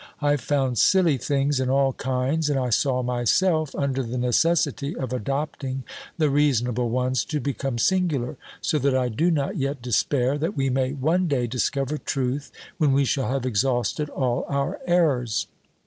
I found silly things in all kinds, and I saw myself under the necessity of adopting the reasonable ones to become singular; so that I do not yet despair that we may one day discover truth, when we shall have exhausted all our errors.